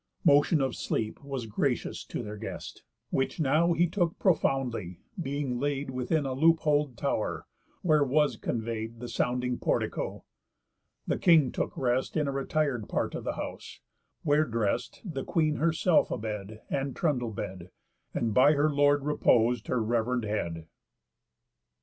Motion of sleep was gracious to their guest; Which now he took profoundly, being laid Within a loop hole tow'r, where was convey'd The sounding portico. The King took rest In a retir'd part of the house; where drest The Queen her self a bed, and trundlebed, And by her lord repos'd her rev'rend head.